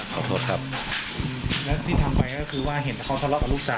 ขอโทษครับแล้วที่ทำไปก็คือว่าเห็นเขาทะเลาะกับลูกสาว